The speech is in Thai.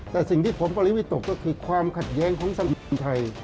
แต่สิ่งที่ผมปริวิตกก็คือความขัดแย้งของสังคมไทย